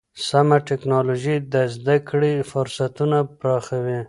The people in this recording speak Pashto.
سمه ټکنالوژي د زده کړې فرصتونه پراخوي.